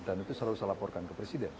dan itu selalu saya laporkan ke presiden